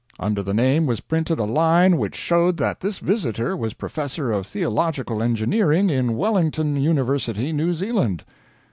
Under the name was printed a line which showed that this visitor was Professor of Theological Engineering in Wellington University, New Zealand.